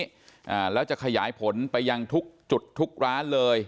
อ่าแล้วจะขยายผลไปยังทุกจุดทุกร้านเลย